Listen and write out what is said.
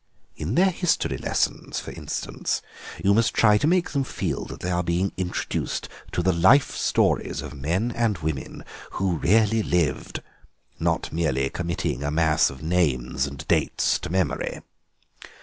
In their history lessons, for instance, you must try to make them feel that they are being introduced to the life stories of men and women who really lived, not merely committing a mass of names and dates to memory.